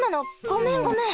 ごめんごめん。